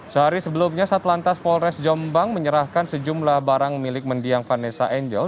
sehari sebelumnya satlantas polres jombang menyerahkan sejumlah barang milik mendiang vanessa angel